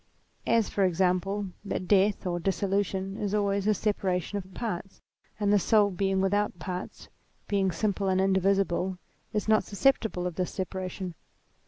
As, for example, that death, or dissolution, is always a separation of parts ; and the soul being without parts, being simple and indivisible, is not susceptible of this separation.